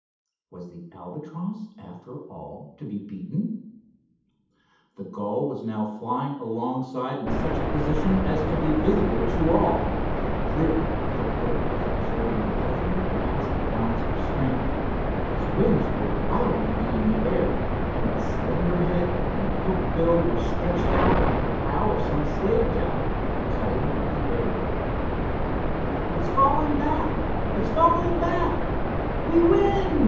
Was the Albatross, after all, to be beaten? The gull was now flying alongside in such a position as to be visible to all. Clearly the bird was exerting every last ounce of strength. Its wings were wildly beating the air, and its slender head and hooked bill were stretched out like the prow of some slave galley—cutting the air. "It's falling back—it's falling back—we win!"